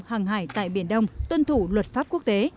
hàng hải tại biển đông tuân thủ luật pháp quốc tế